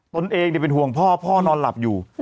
ตนเองเป็นห่วงพ่อพ่อนอนหลับอยู่